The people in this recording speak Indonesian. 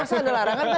masa ada larangan kan